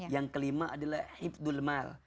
yang kelima adalah hibdul mal